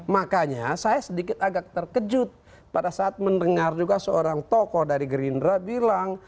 makanya saya sedikit agak terkejut pada saat mendengar juga seorang tokoh dari gerindra bilang